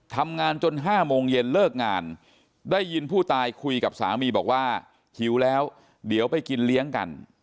ทำงานจน๕โมงเย็นเลิกงานได้ยินผู้ตายคุยกับสามีบอกว่าหิวแล้วเดี๋ยวไปกินเลี้ยงกัน